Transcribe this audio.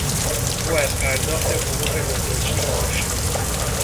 او از پرداخت حقوق گمرکی معاف شد.